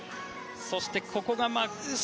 そしてここが。